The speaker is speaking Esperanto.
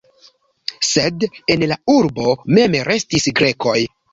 Sed en la urbo mem restis grekoj.